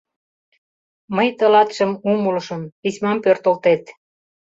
— «Мый — тылатшым» умылышым: письмам пӧртылтет.